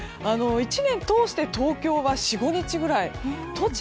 １年通して東京は４５日くらい。